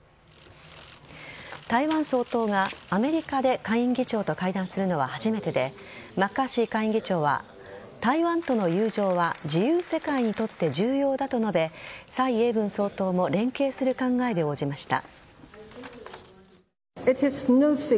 台湾総統が、アメリカで下院議長と会談するのは初めてでマッカーシー下院議長は台湾との友情は自由世界にとって重要だと述べ蔡英文総統も連携する考えで応じました。